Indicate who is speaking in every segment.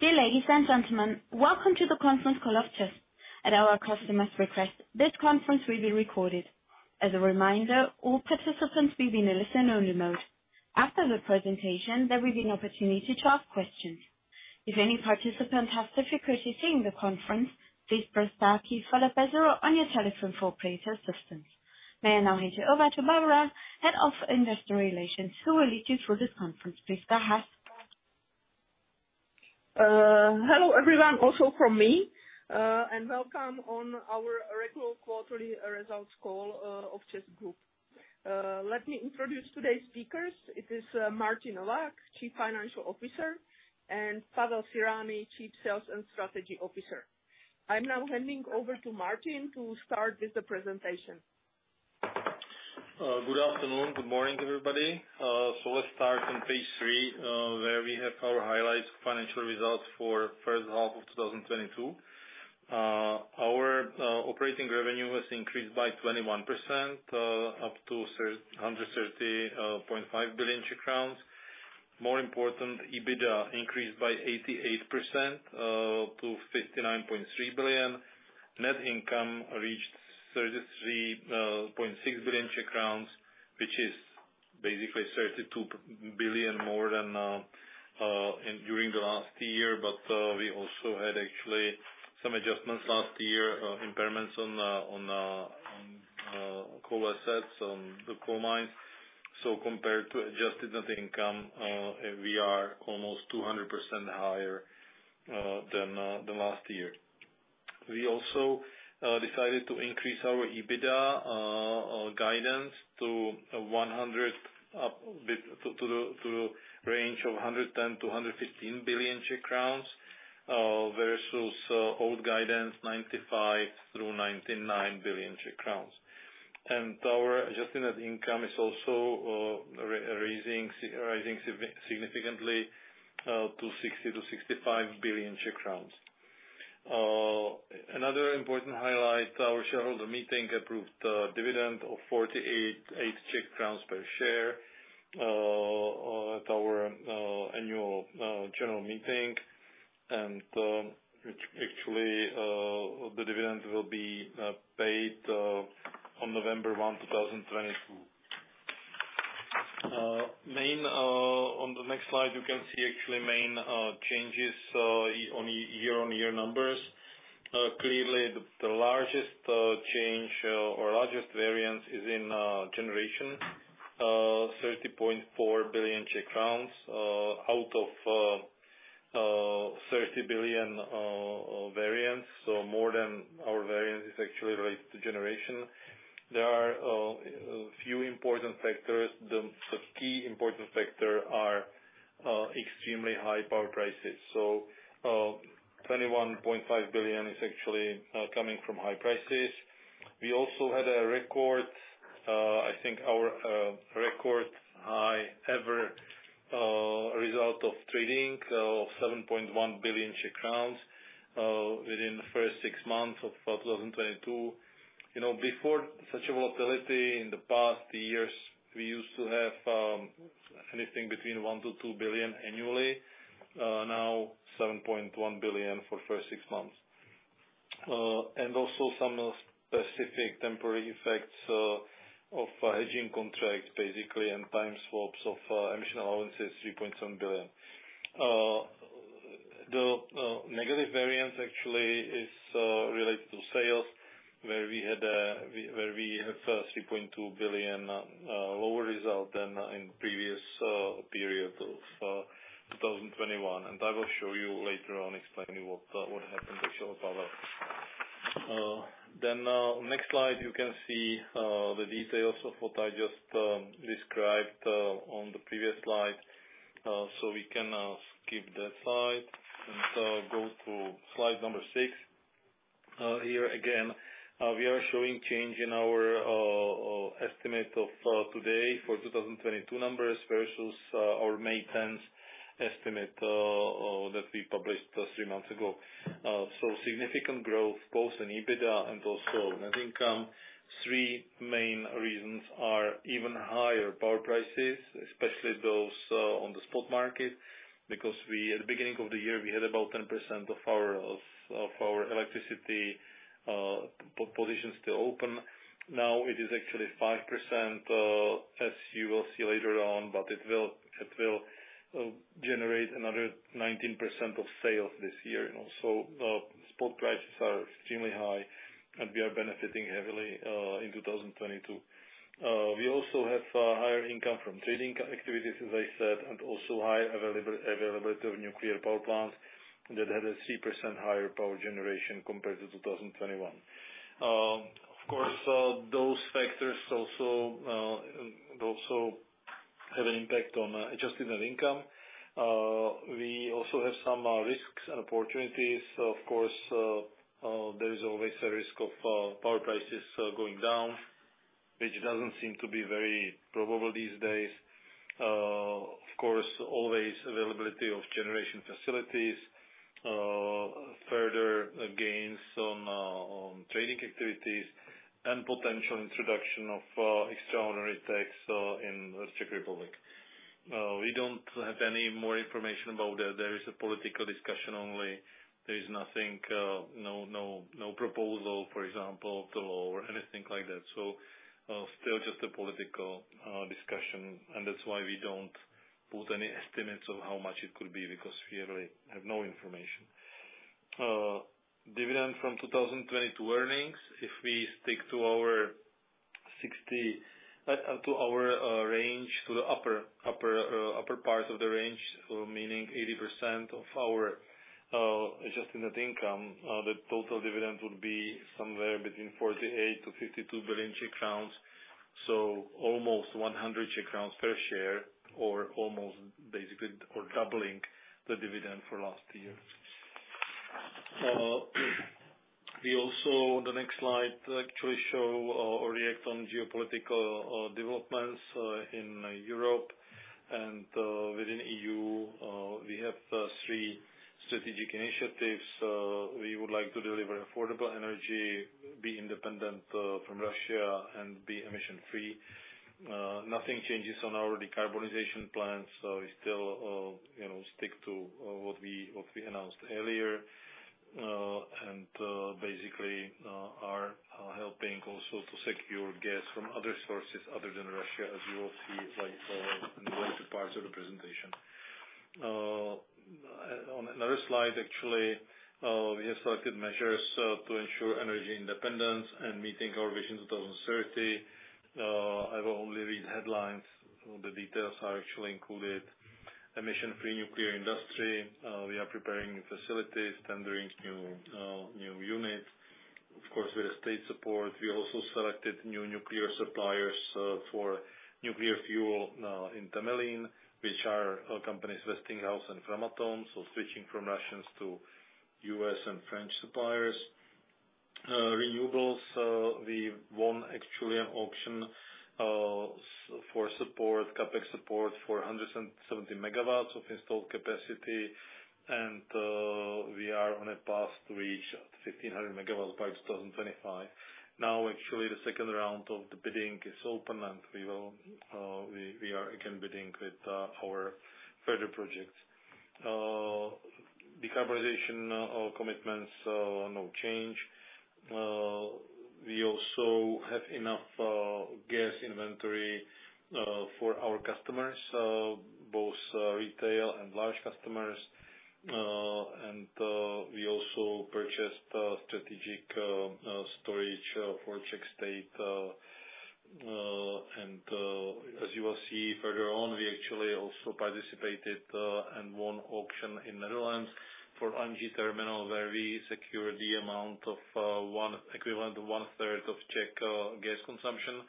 Speaker 1: Dear ladies and gentlemen, welcome to the Conference Call of ČEZ. At our customers' request, this conference will be recorded. As a reminder, all participants will be in a listen only mode. After the presentation, there will be an opportunity to ask questions. If any participants have difficulty hearing the conference, please press star key followed by zero on your telephone for operator assistance. May I now hand you over to Barbara, Head of Investor Relations, who will lead you through this conference. Please go ahead.
Speaker 2: Hello everyone, also from me, and welcome on our regular quarterly results call of ČEZ Group. Let me introduce today's speakers. It is Martin Novák, Chief Financial Officer, and Pavel Cyrani, Chief Sales and Strategy Officer. I'm now handing over to Martin to start with the presentation.
Speaker 3: Good afternoon, good morning, everybody. Let's start on page three, where we have our highlights financial results for first half of 2022. Our operating revenue has increased by 21% up to 130.5 billion Czech crowns. More important, EBITDA increased by 88% to 59.3 billion. Net income reached 33.6 billion Czech crowns, which is basically 32 billion more than during the last year. We also had actually some adjustments last year, impairments on coal assets on the coal mines. Compared to adjusted net income, we are almost 200% higher than last year. We also decided to increase our EBITDA guidance to the range of 110 billion-115 billion Czech crowns versus old guidance 95 billion-99 billion Czech crowns. Our adjusted net income is also raising significantly to CZK 60 billion-CZK 65 billion. Another important highlight, our shareholder meeting approved dividend of 48 crowns per share at our annual general meeting, and which actually the dividend will be paid on November 1, 2022. Main, on the next slide, you can see actually main changes on year-on-year numbers. Clearly the largest variance is in generation, 30.4 billion Czech crowns out of 30 billion variance. More than our variance is actually related to generation. There are a few important factors. The key important factor are extremely high power prices. 21.5 billion is actually coming from high prices. We also had a record, I think our record high ever, result of trading of 7.1 billion Czech crowns within the first six months of 2022. You know, before such a volatility in the past years, we used to have anything between 1 billion-2 billion annually, now 7.1 billion for first six months. Also some specific temporary effects of hedging contracts basically, and time swaps of emission allowances, 3.7 billion. The negative variance actually is related to sales, where we had a 3.2 billion lower result than in previous period of 2021. I will show you later on explaining what happened actually with that one. Next slide, you can see the details of what I just described on the previous slide. We can skip that slide and go to slide number six. Here again, we are showing change in our estimate of today for 2022 numbers versus our May 10 estimate that we published just three months ago. Significant growth both in EBITDA and also net income. Three main reasons are even higher power prices, especially those on the spot market, because we, at the beginning of the year, we had about 10% of our electricity positions still open. Now it is actually 5%, as you will see later on, but it will generate another 19% of sales this year. Spot prices are extremely high and we are benefiting heavily in 2022. We also have higher income from trading activities, as I said, and also high availability of nuclear power plants that had a 3% higher power generation compared to 2021. Of course, those factors also have an impact on adjusted net income. We also have some risks and opportunities. Of course, there is always a risk of power prices going down, which doesn't seem to be very probable these days. Of course, always availability of generation facilities. Further gains on trading activities and potential introduction of extraordinary tax in Czech Republic. We don't have any more information about that. There is a political discussion only. There is nothing, no proposal, for example, the law or anything like that. Still just a political discussion, and that's why we don't put any estimates of how much it could be, because we really have no information. Dividend from 2022 earnings, if we stick to our range, to the upper part of the range, meaning 80% of our adjusted net income, the total dividend would be somewhere between 48 billion-52 billion Czech crowns, so almost 100 Czech crowns per share, or basically doubling the dividend for last year. We also, on the next slide, actually show our reaction to geopolitical developments in Europe and within EU, we have three strategic initiatives. We would like to deliver affordable energy, be independent from Russia, and be emission-free. Nothing changes on our decarbonization plans, so we still, you know, stick to what we announced earlier, and basically, are helping also to secure gas from other sources other than Russia, as you will see later, in later parts of the presentation. On another slide actually, we have selected measures to ensure energy independence and meeting our vision 2030. I will only read headlines. The details are actually included. Emission-free nuclear industry, we are preparing facilities, tendering new units. Of course, with state support, we also selected new nuclear suppliers for nuclear fuel in Temelín, which are our companies Westinghouse and Framatome, so switching from Russians to U.S. and French suppliers. Renewables, we won actually an auction for support, CapEx support for 170 MW of installed capacity and we are on a path to reach 1,500 MW by 2025. Now actually, the second round of the bidding is open and we are again bidding with our further projects. Decarbonization commitments, no change. We also have enough gas inventory for our customers, both retail and large customers. We also purchased strategic storage for Czech state. As you will see further on, we actually also participated and won auction in Netherlands for LNG terminal, where we secured the amount of one equivalent, 1/3 of Czech gas consumption.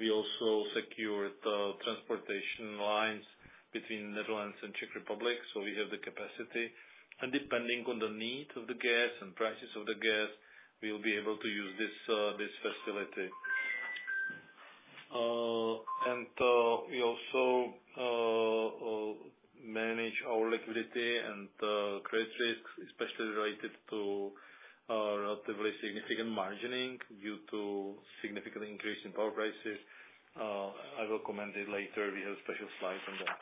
Speaker 3: We also secured transportation lines between Netherlands and Czech Republic, so we have the capacity. Depending on the need of the gas and prices of the gas, we will be able to use this facility. We also manage our liquidity and credit risks, especially related to relatively significant margining due to significant increase in power prices. I will comment it later. We have special slides on that.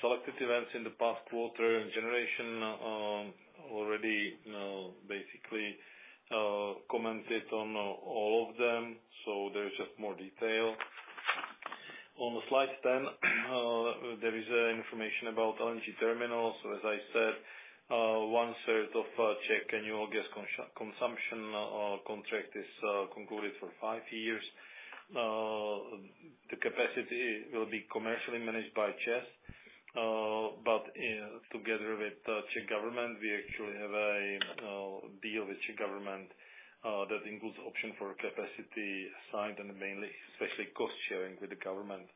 Speaker 3: Selected events in the past quarter and generation already basically commented on all of them, so there's just more detail. On slide 10, there is information about LNG terminals. As I said, 1/3 of Czech annual gas consumption contract is concluded for five years. The capacity will be commercially managed by ČEZ, but together with the Czech government. We actually have a deal with Czech government that includes option for capacity side and mainly especially cost-sharing with the government.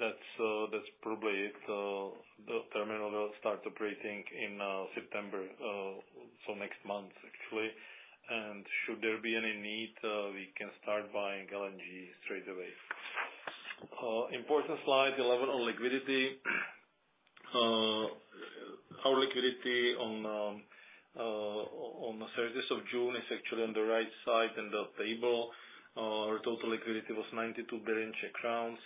Speaker 3: That's probably it. The terminal will start operating in September, so next month actually. Should there be any need, we can start buying LNG straight away. Important slide 11 on liquidity. Our liquidity on the 30th of June is actually on the right side in the table. Our total liquidity was 92 billion Czech crowns.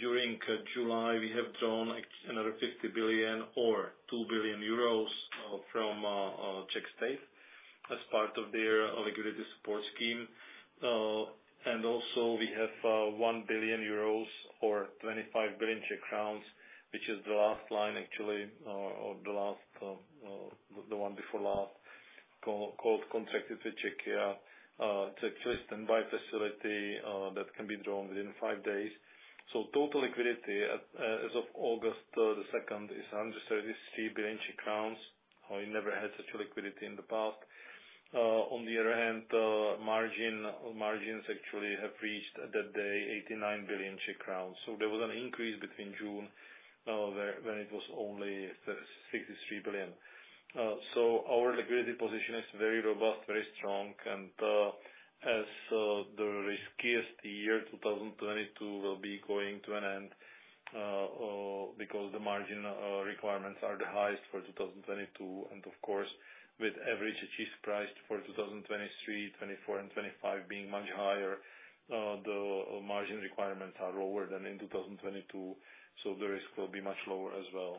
Speaker 3: During July, we have drawn another 50 billion or 2 billion euros from Czech state as part of their liquidity support scheme. We have 1 billion euros or 25 billion Czech crowns, which is the last line actually, or the one before last, contracted with ČEZ first standby facility, that can be drawn within five days. Total liquidity as of August 2nd is 133 billion crowns. It never had such a liquidity in the past. On the other hand, margins actually have reached that day 89 billion Czech crowns. There was an increase between June, when it was only 63 billion. Our liquidity position is very robust, very strong, and as the riskiest year, 2022, will be going to an end, because the margin requirements are the highest for 2022, and of course, with average achieved price for 2023, 2024 and 2025 being much higher, the margin requirements are lower than in 2022, so the risk will be much lower as well.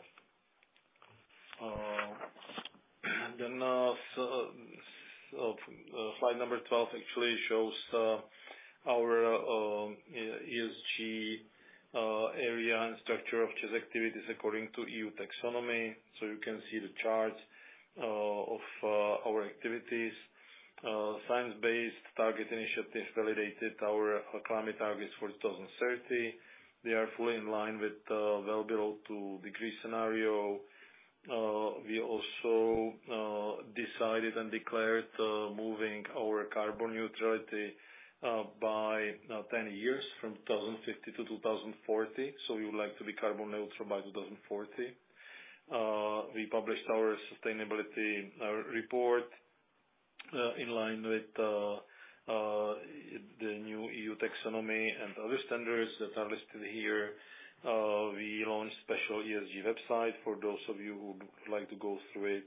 Speaker 3: Slide number 12 actually shows our ESG area and structure of ČEZ activities according to EU Taxonomy. You can see the charts of our activities. Science Based Targets initiative validated our climate targets for 2030. We are fully in line with the well below two-degree scenario. We also decided and declared moving our carbon neutrality by 10 years from 2050 to 2040, so we would like to be carbon neutral by 2040. We published our sustainability report in line with the new EU Taxonomy and other standards that are listed here. We launched special ESG website for those of you who would like to go through it,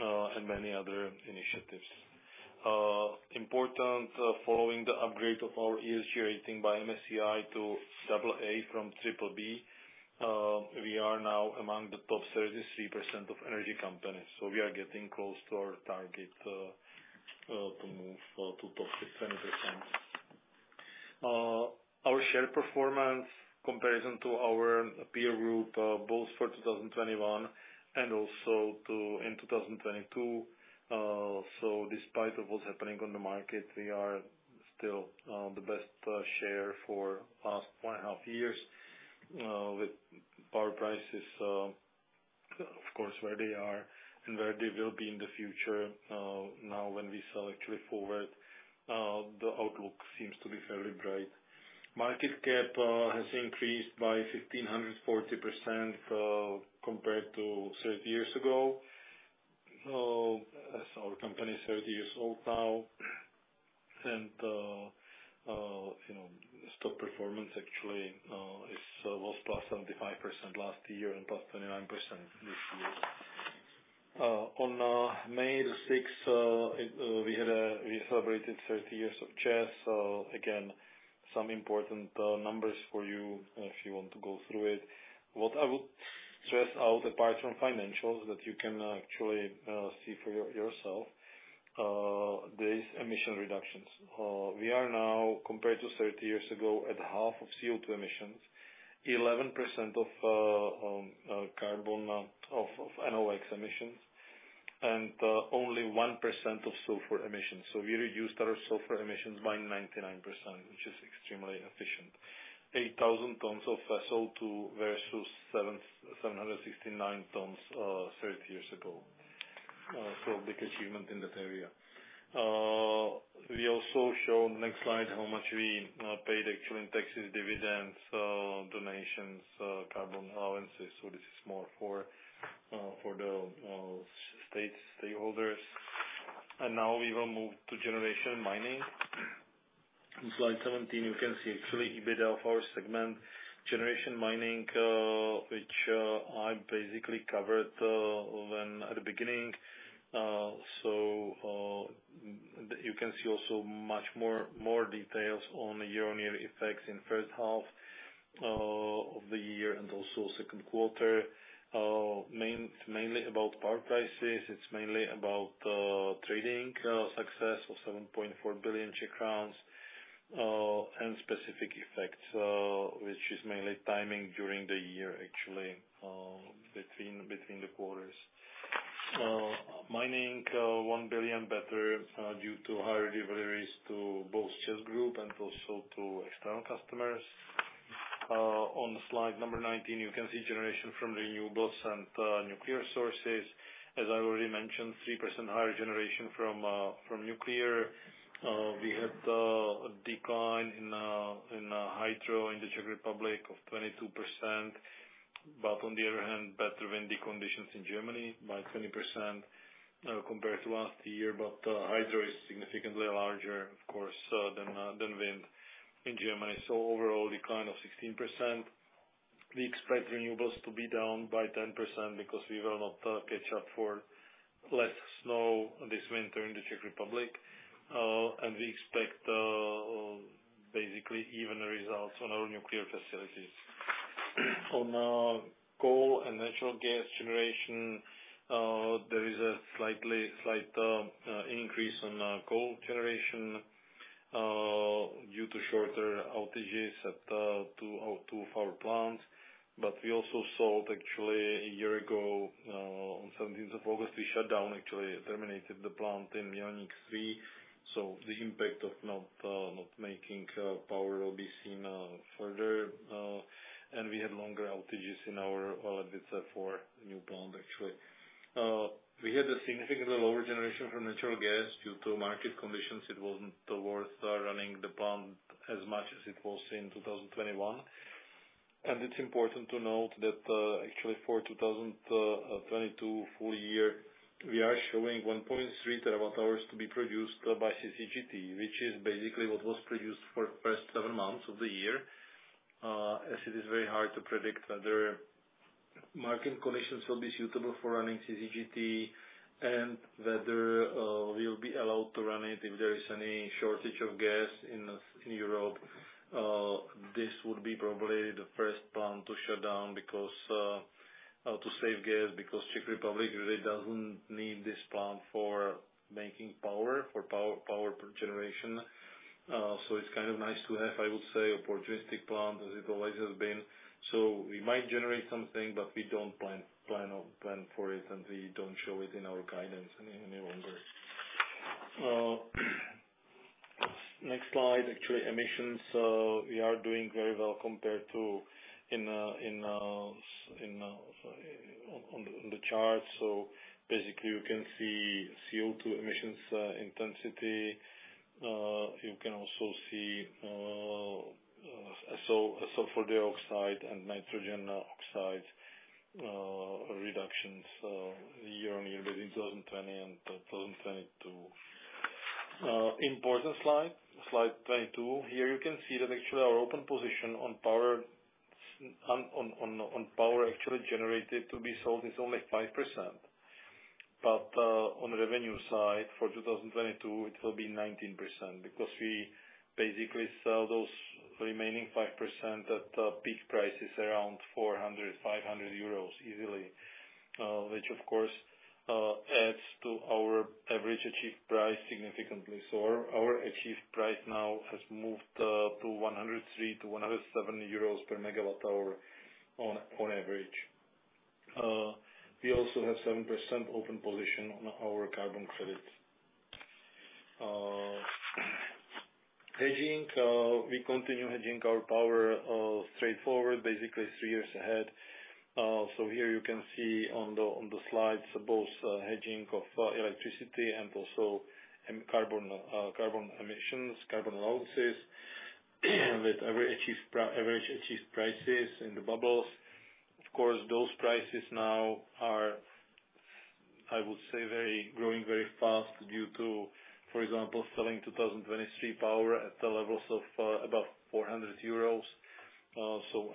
Speaker 3: and many other initiatives. Important, following the upgrade of our ESG rating by MSCI to AA from BBB, we are now among the top 33% of energy companies, so we are getting close to our target to move to top six financial centers. Our share performance comparison to our peer group, both for 2021 and also in 2022, so despite what's happening on the market, we are still the best share for past one half years, with power prices, of course, where they are and where they will be in the future, now when we sell actually forward, the outlook seems to be fairly bright. Market cap has increased by 1,540%, compared to 30 years ago. As our company is 30 years old now. You know, stock performance actually was +75% last year and +29% this year. On May 6, we had a—we celebrated 30 years of ČEZ. Again, some important numbers for you if you want to go through it. What I would stress out, apart from financials that you can actually see for yourself, there is emission reductions. We are now compared to 30 years ago at half of CO2 emissions, 11% of NOx emissions, and only 1% of sulfur emissions. We reduced our sulfur emissions by 99%, which is extremely efficient. 8,000 tons of SO2 versus 769 tons 30 years ago. Big achievement in that area. We also show next slide how much we paid actually in taxes, dividends, donations, carbon balances. This is more for stakeholders. Now we will move to generation mining. On slide 17, you can see actually EBITDA for segment generation mining, which I basically covered when at the beginning. You can see also much more details on year-on-year effects in first half of the year and also second quarter, mainly about power prices. It's mainly about trading success of 7.4 billion Czech crowns and specific effects, which is mainly timing during the year actually between the quarters. Mining 1 billion better due to higher deliveries to both ČEZ Group and also to external customers. On slide number 19, you can see generation from renewables and nuclear sources. As I already mentioned, 3% higher generation from nuclear. We had a decline in hydro in the Czech Republic of 22%. On the other hand, better windy conditions in Germany by 20% compared to last year. Hydro is significantly larger, of course, than wind in Germany. Overall decline of 16%. We expect renewables to be down by 10% because we will not catch up for less snow this winter in the Czech Republic. We expect basically even results on our nuclear facilities. On coal and natural gas generation, there is a slight increase on coal generation due to shorter outages at two of our plants. We also saw actually a year ago on 17th of August, we shut down actually terminated the plant in Mělník III. The impact of not making power will be seen further, and we have longer outages in our Ledvice for new plant actually. We had a significantly lower generation from natural gas due to market conditions. It wasn't worth running the plant as much as it was in 2021. It's important to note that actually for 2022 full year, we are showing 1.3 TWh to be produced by CCGT, which is basically what was produced for first seven months of the year. As it is very hard to predict whether market conditions will be suitable for running CCGT and whether we will be allowed to run it if there is any shortage of gas in Europe. This would be probably the first plant to shut down because to save gas because Czech Republic really doesn't need this plant for making power for power generation. So it's kind of nice to have, I would say, opportunistic plant as it always has been. We might generate something, but we don't plan for it, and we don't show it in our guidance any longer. Next slide. Actually, emissions, we are doing very well compared to in on the chart. So basically you can see CO2 emissions intensity. You can also see sulfur dioxide and nitrogen oxides reductions year-on-year between 2020 and 2022. Important slide 22. Here you can see that actually our open position on power actually generated to be sold is only 5%. On the revenue side for 2022 it will be 19% because we basically sell those remaining 5% at peak prices around 400-500 euros easily. Which of course adds to our average achieved price significantly. Our achieved price now has moved to 103-107 euros per MWh on average. We also have 7% open position on our carbon credits. Hedging. We continue hedging our power straightforward basically three years ahead. Here you can see on the slides both hedging of electricity and also carbon emissions, carbon allowances with every average achieved prices in the bubbles. Of course, those prices now are, I would say growing very fast due to, for example, selling 2023 power at levels above 400 euros.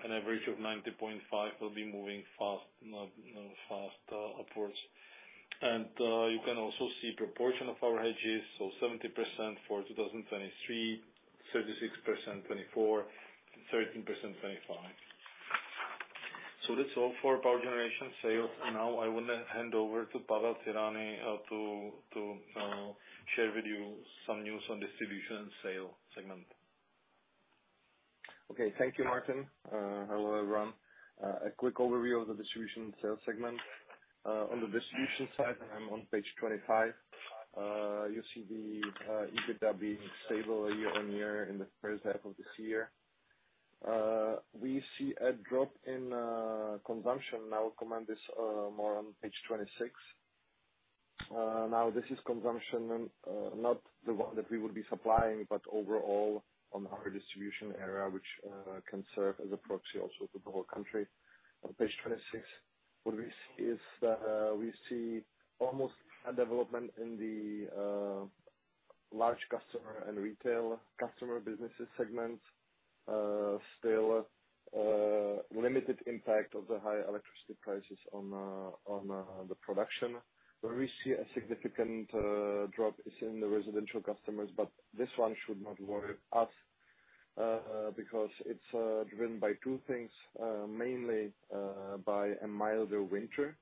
Speaker 3: An average of 90.5 will be moving fast upwards. You can also see proportion of our hedges, 70% for 2023, 36% 2024 and 13% 2025. That's all for power generation sales. Now I wanna hand over to Pavel Cyrani to share with you some news on distribution and sales segment.
Speaker 4: Okay. Thank you, Martin. Hello, everyone. A quick overview of the distribution and sales segment. On the distribution side, I'm on page 25. You see the EBITDA being stable year-over-year in the first half of this year. We see a drop in consumption and I will comment this more on page 26. Now this is consumption, not the one that we would be supplying, but overall on our distribution area which can serve as a proxy also for the whole country. On page 26, what we see is that we see almost no development in the large customer and retail customer businesses segment. Still, limited impact of the high electricity prices on the production. Where we see a significant drop is in the residential customers, but this one should not worry us, because it's driven by two things, mainly, by a milder winter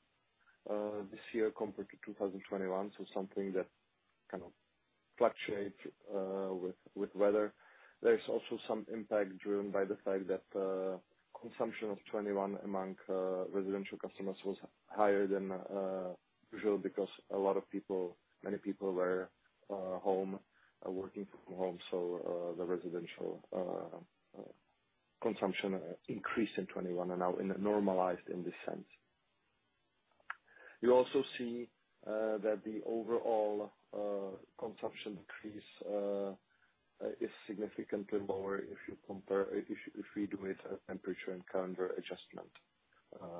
Speaker 4: this year compared to 2021, so something that kind of fluctuates with weather. There's also some impact driven by the fact that consumption of 2021 among residential customers was higher than usual because a lot of people, many people were home working from home. The residential consumption increased in 2021 and now in a normalized in this sense. You also see that the overall consumption decrease is significantly lower if you compare, if we do it a temperature and calendar adjustment,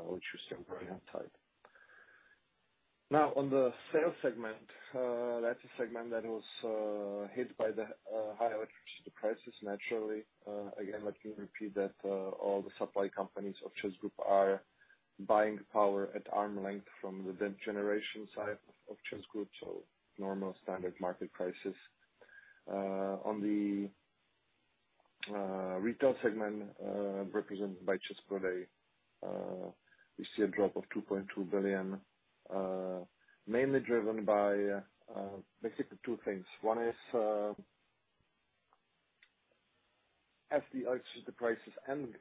Speaker 4: which is temporary in type. Now on the sales segment. That's a segment that was hit by the high electricity prices naturally. Again, let me repeat that, all the supply companies of ČEZ Group are buying power at arm's length from the generation side of ČEZ Group, so normal standard market prices. On the retail segment, represented by ČEZ Prodej, we see a drop of 2.2 billion, mainly driven by basically two things. One is, as the electricity prices and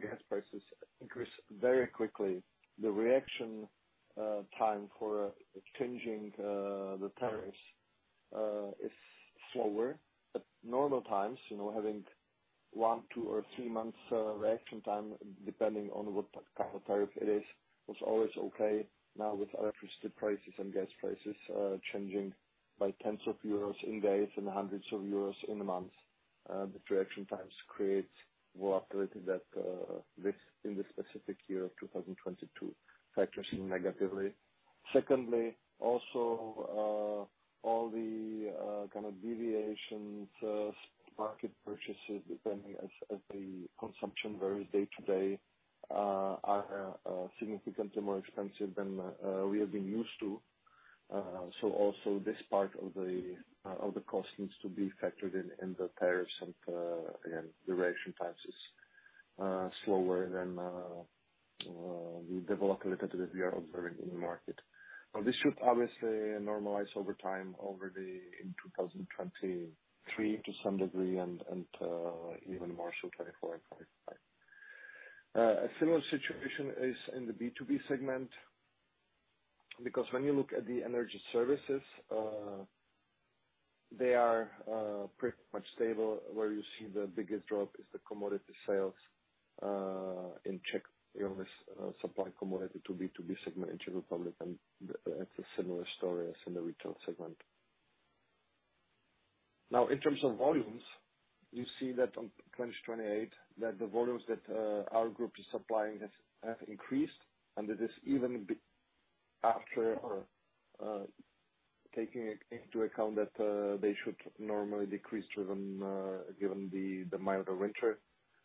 Speaker 4: gas prices increase very quickly, the reaction time for changing the tariffs is slower. At normal times, you know, having one, two or three months reaction time, depending on what kind of tariff it is, was always okay. Now with electricity prices and gas prices changing by tens of euros in days and hundreds of euros in months. The reaction times creates volatility that this in the specific year of 2022 factors in negatively. Secondly, also all the kind of deviations market purchases depending as the consumption varies day-to-day are significantly more expensive than we have been used to. Also this part of the cost needs to be factored in in the tariffs and again duration times is slower than the volatility that we are observing in the market. Now, this should obviously normalize over time in 2023 to some degree and even more so 2024 and 2025. A similar situation is in the B2B segment, because when you look at the energy services they are pretty much stable. Where you see the biggest drop is the commodity sales in Czech, you know, supply commodity to B2B segment in Czech Republic, and it's a similar story as in the retail segment. Now, in terms of volumes, you see that on page 28 that the volumes that our group is supplying have increased. This even after taking into account that they should normally decrease driven given the milder winter.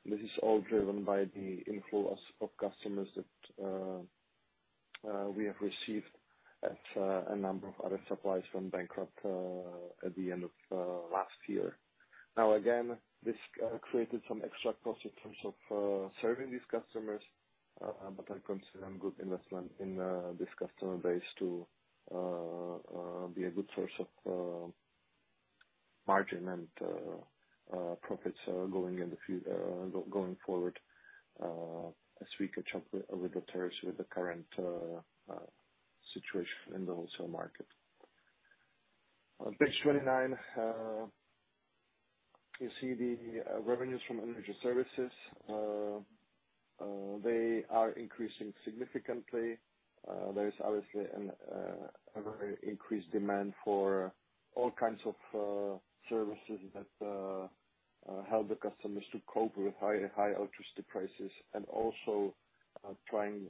Speaker 4: This is all driven by the inflow of customers that we have received as a number of other suppliers went bankrupt at the end of last year. Now again, this created some extra costs in terms of serving these customers, but I consider them good investment in this customer base to be a good source of margin and profits going forward, as we catch up with the tariffs with the current situation in the wholesale market. On page 29, you see the revenues from energy services. They are increasing significantly. There is obviously a very increased demand for all kinds of services that help the customers to cope with high electricity prices, and also trying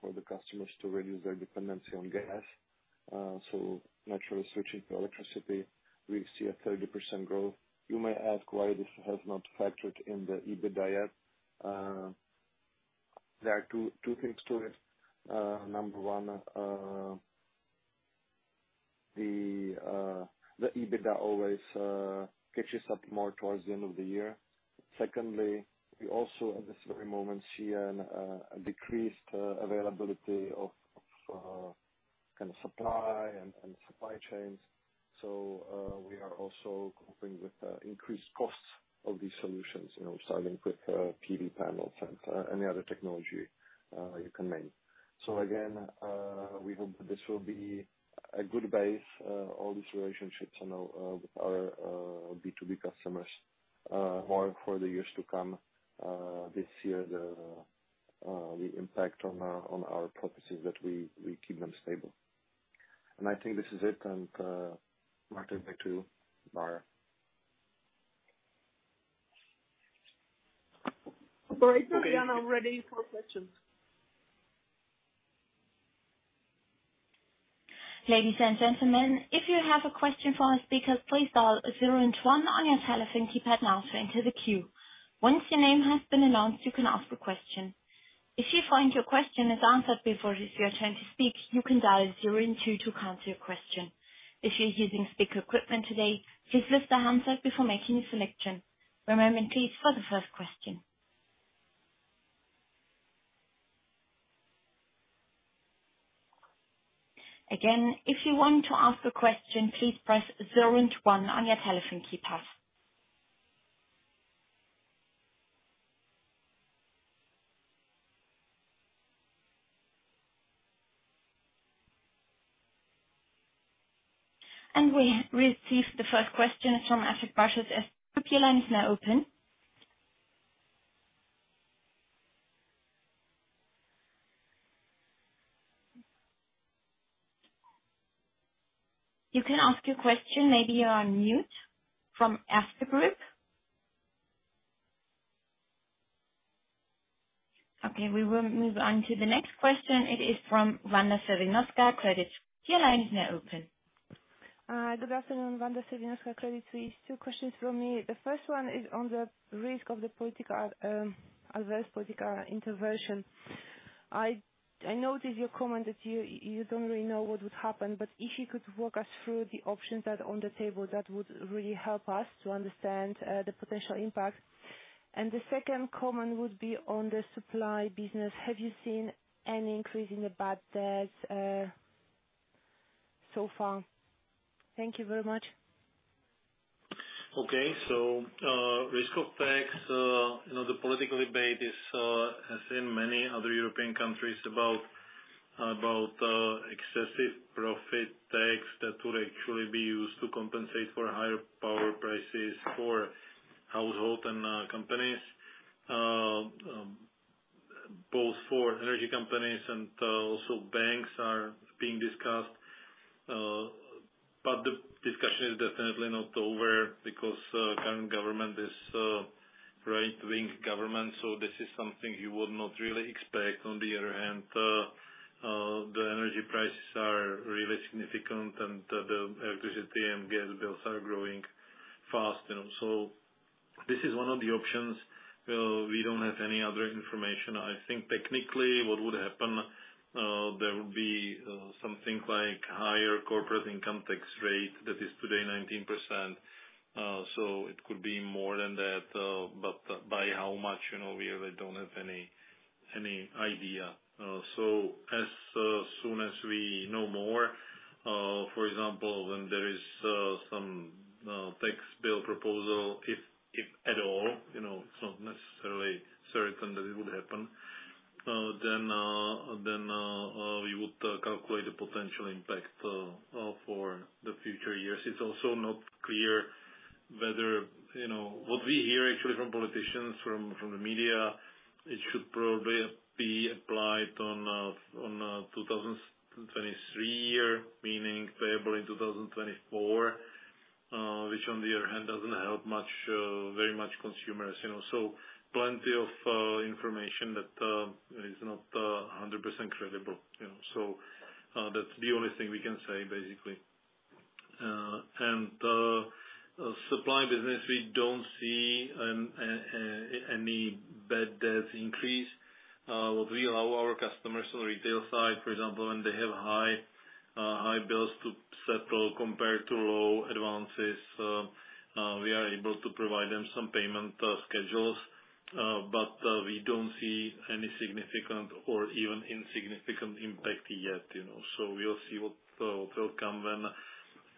Speaker 4: for the customers to reduce their dependency on gas. Naturally switching to electricity, we see a 30% growth. You may ask why this has not factored in the EBITDA yet. There are two things to it. Number one, the EBITDA always catches up more towards the end of the year. Secondly, we also, at this very moment, see a decreased availability of kind of supply and supply chains. We are also coping with increased costs of these solutions. You know, we're selling quick PV panels and any other technology you can name. So again, we hope this will be a good base, all these relationships, you know, with our B2B customers, more for the years to come. This year the impact on our profits is that we keep them stable. I think this is it. Martin, back to you. Barbara.
Speaker 2: Sorry, we are now ready for questions.
Speaker 1: Ladies and gentlemen, if you have a question for our speakers, please dial zero and one on your telephone keypad now to enter the queue. Once your name has been announced, you can ask a question. If you find your question is answered before it is your turn to speak, you can dial zero and two to cancel your question. If you're using speaker equipment today, please lift the handset before making a selection. One moment please for the first question. Again, if you want to ask a question, please press zero and one on your telephone keypad. We receive the first question from Astrid Bradscheid. Your line is now open. You can ask your question. Maybe you're on mute from Erste Group. Okay, we will move on to the next question. It is from Wanda Serwinowska, Credit Suisse. Your line is now open.
Speaker 5: Good afternoon. Wanda Serwinowska, Credit Suisse. Two questions from me. The first one is on the risk of the political, adverse political intervention. I noticed your comment that you don't really know what would happen, but if you could walk us through the options that are on the table, that would really help us to understand the potential impact. The second comment would be on the supply business. Have you seen any increase in the bad debts so far? Thank you very much.
Speaker 3: Okay. Risk of tax, you know, the political debate is as in many other European countries, about excess profit tax that would actually be used to compensate for higher power prices for households and companies. Both for energy companies and also banks are being discussed. The discussion is definitely not over because current government is right-wing government, so this is something you would not really expect. On the other hand, the energy prices are really significant, and the electricity and gas bills are growing fast, you know. This is one of the options. We don't have any other information. I think technically what would happen there would be something like higher corporate income tax rate. That is today 19%, so it could be more than that, but by how much, you know, we really don't have any idea. As soon as we know more, for example, when there is some tax bill proposal, if at all, you know, it's not necessarily certain that it would happen, then we would calculate the potential impact for the future years. It's also not clear whether, you know. What we hear actually from politicians, from the media, it should probably be applied on 2023 year, meaning payable in 2024, which on the other hand doesn't help very much consumers, you know. Plenty of information that is not 100% credible, you know. That's the only thing we can say, basically. Supply business, we don't see any bad debts increase. We allow our customers on retail side, for example, when they have high bills to settle compared to low advances, we are able to provide them some payment schedules. We don't see any significant or even insignificant impact yet, you know. We'll see what will come when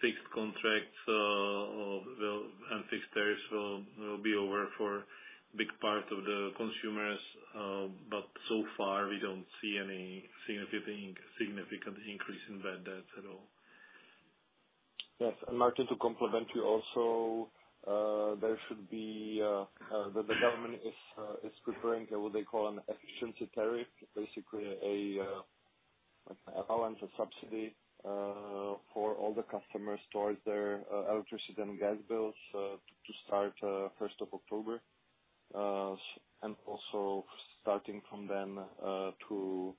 Speaker 3: fixed contracts and fixed tariffs will be over for big part of the consumers. So far we don't see any significant increase in bad debts at all.
Speaker 4: Yes. Martin, to complement you also, there should be that the government is preparing what they call a savings tariff. Basically an allowance or subsidy for all the customers towards their electricity and gas bills to start first of October. Also starting from then to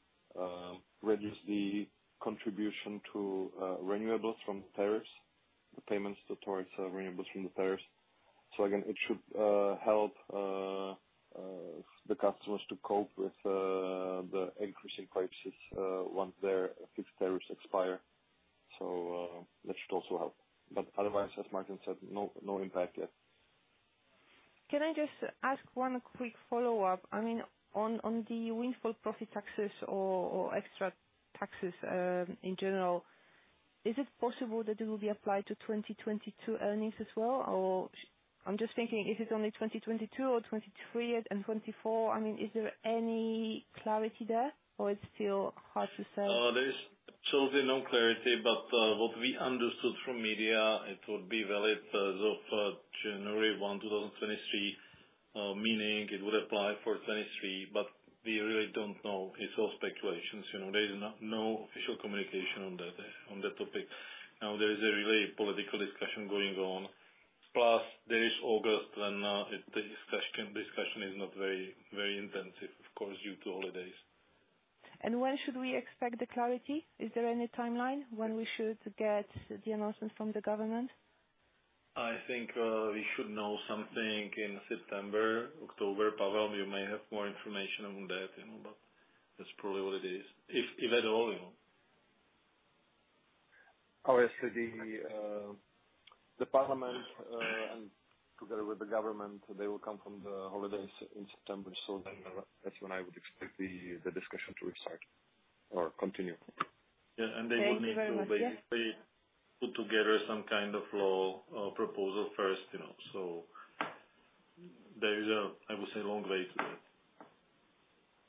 Speaker 4: reduce the contribution to renewables from tariffs, the payments towards renewables from the tariffs. Again, it should help the customers to cope with the increasing prices once their fixed tariffs expire. That should also help. Otherwise, as Martin said, no impact yet.
Speaker 5: Can I just ask one quick follow-up? I mean, on the windfall profit taxes or extra taxes, in general, is it possible that it will be applied to 2022 earnings as well? Or I'm just thinking is it only 2022 or 2023 and 2024? I mean, is there any clarity there or it's still hard to say?
Speaker 3: There is totally no clarity, but what we understood from media, it would be valid as of January 1, 2023. Meaning it would apply for 2023, but we really don't know. It's all speculations, you know. There is no official communication on that topic. Now there is a really political discussion going on. Plus there is August when the discussion is not very, very intensive, of course, due to holidays.
Speaker 5: When should we expect the clarity? Is there any timeline when we should get the announcements from the government?
Speaker 3: I think we should know something in September, October. Pavel, you may have more information on that, you know, but that's probably what it is. If at all, you know.
Speaker 4: Obviously the parliament, and together with the government, they will come from the holidays in September. That's when I would expect the discussion to restart or continue.
Speaker 3: Yeah. They will need to-
Speaker 5: Thank you very much. Yes....
Speaker 3: basically put together some kind of law, proposal first, you know. There is, I would say, a long way to that.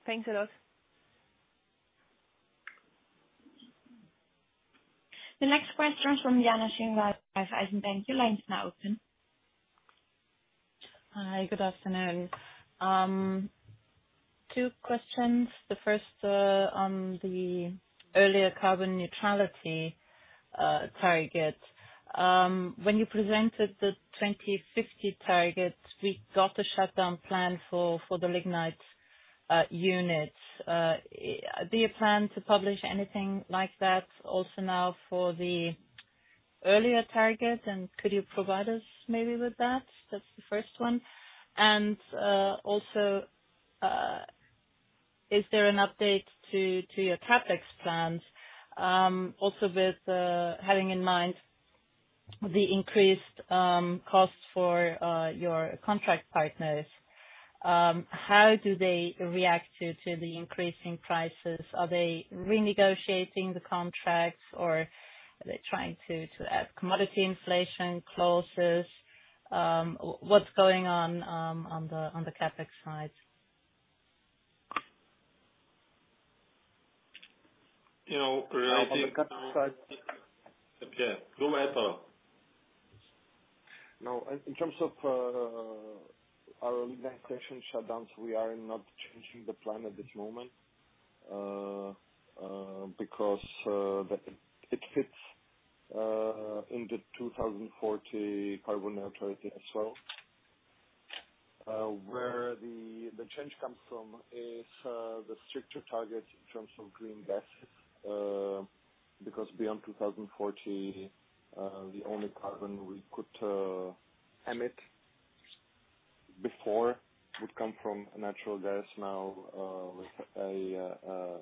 Speaker 5: Thanks a lot.
Speaker 1: The next question is from Jana Schindler at Raiffeisen. Your line's now open.
Speaker 6: Hi, good afternoon. Two questions. The first, on the earlier carbon neutrality target. When you presented the 2050 target, we got the shutdown plan for the lignite units. Do you plan to publish anything like that also now for the earlier target, and could you provide us maybe with that? That's the first one. Also, is there an update to your CapEx plans, also with having in mind the increased cost for your contract partners? How do they react to the increasing prices? Are they renegotiating the contracts or are they trying to add commodity inflation clauses? What's going on on the CapEx side?
Speaker 3: You know, really.
Speaker 4: On the CapEx side.
Speaker 3: Okay. Go ahead, Pavel.
Speaker 4: No, in terms of our generation station shutdowns, we are not changing the plan at this moment, because it fits in the 2040 carbon neutrality as well. Where the change comes from is the stricter target in terms of greenhouse gas, because beyond 2040, the only carbon we could emit before would come from natural gas. Now, with a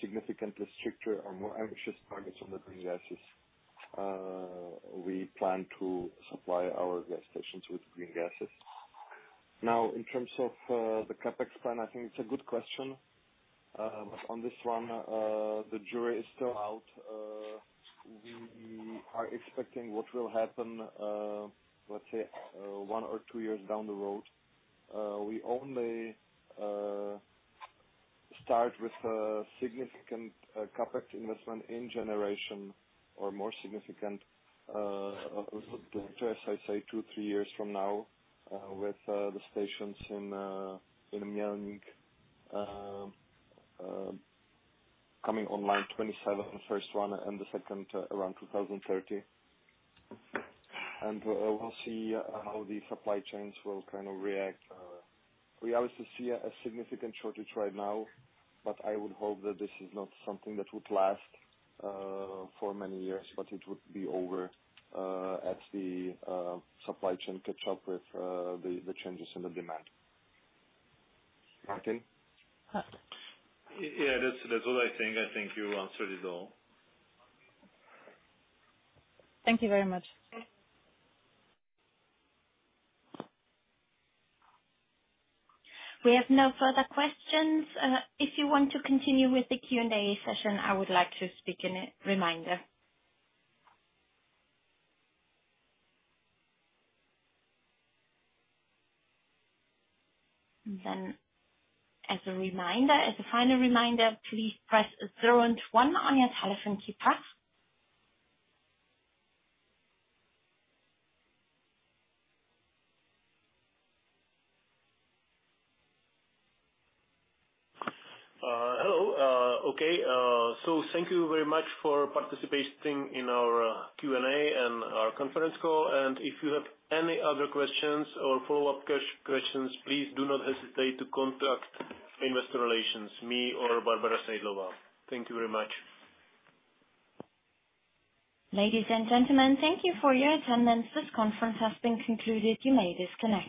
Speaker 4: significantly stricter or more ambitious targets on the green gases, we plan to supply our gas-fired stations with green gases. Now, in terms of the CapEx plan, I think it's a good question. On this one, the jury is still out. We are expecting what will happen, let's say, one or two years down the road. We only start with a significant CapEx investment in generation or more significant, I say two-three years from now, with the stations in Mělník coming online 2027, first one, and the second around 2030. We'll see how the supply chains will kind of react. We obviously see a significant shortage right now, but I would hope that this is not something that would last for many years, but it would be over as the supply chain catch up with the changes in the demand. Martin?
Speaker 3: Yeah, that's all I think. I think you answered it all.
Speaker 6: Thank you very much.
Speaker 1: We have no further questions. If you want to continue with the Q&A session, I would like to state a reminder. As a final reminder, please press zero and one on your telephone keypad.
Speaker 3: Hello. Okay. Thank you very much for participating in our Q&A and our conference call. If you have any other questions or follow-up questions, please do not hesitate to contact Investor Relations, me or Barbara Seidlová. Thank you very much.
Speaker 1: Ladies and gentlemen, thank you for your attendance. This conference has been concluded. You may disconnect.